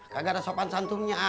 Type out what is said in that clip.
kagak resokan santunya